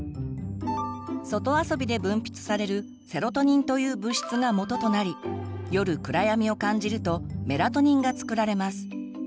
外遊びで分泌されるセロトニンという物質がもととなり夜暗闇を感じるとメラトニンが作られます。